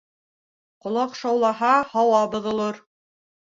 Колаҡ шаулаһа, һауа боҙолор.